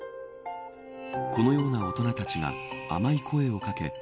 このような大人たちが甘い声を掛け